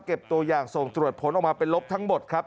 ตัวอย่างส่งตรวจผลออกมาเป็นลบทั้งหมดครับ